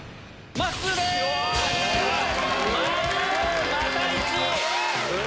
まっすーまた１位！